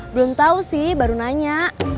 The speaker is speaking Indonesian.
belum tahu sih baru nanya